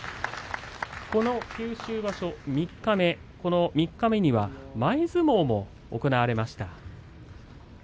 この九州場所三日目には前相撲も行われました。